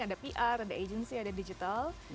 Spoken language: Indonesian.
ada pr ada agency ada digital